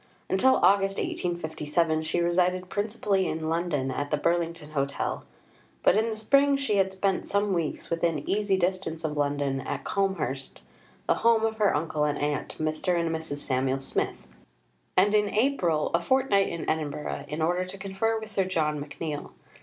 Until August 1857, she resided principally in London, at the Burlington Hotel; but in the spring she had spent some weeks, within easy distance of London, at Combe Hurst, the home of her uncle and aunt, Mr. and Mrs. Samuel Smith; and in April, a fortnight in Edinburgh, in order to confer with Sir John McNeill.